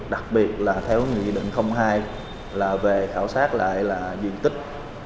đặc biệt là theo nghị định hai là về khảo sát lại là diện tích